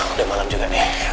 udah malam juga